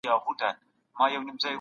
حقوقپوهانو به خپل سفارتونه پرانیستي وه.